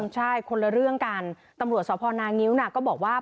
ใช่คนละเรื่องกันตำรวจสพนางิ้วก็บอกว่า